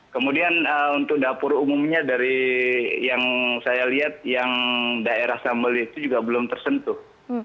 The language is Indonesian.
kemudian untuk dapur umumnya dari yang saya lihat yang daerah sambel itu juga belum tersentuh